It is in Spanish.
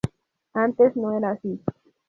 antes no era así